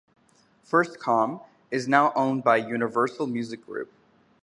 FirstCom is now owned by Universal Music Group.